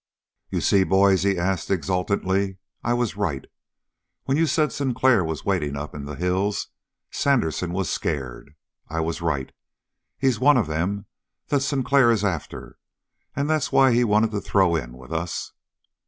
"You see, boys?" he asked exultantly. "I was right. When you said Sinclair was waiting up there in the hills, Sandersen was scared. I was right. He's one of them that Sinclair is after, and that's why he wanted to throw in with us!"